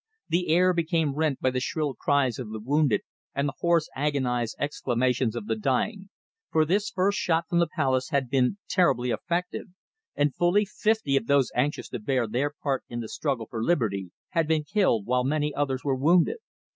The air became rent by the shrill cries of the wounded and the hoarse agonized exclamations of the dying, for this first shot from the palace had been terribly effective, and fully fifty of those anxious to bear their part in the struggle for liberty had been killed, while many others were wounded.